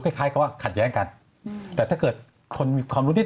คล้ายกับว่าขัดแย้งกันแต่ถ้าเกิดคนมีความรู้นิด